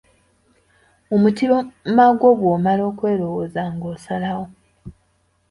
Mu mutima gwo bw'omala okwelowooza ng'osalawo.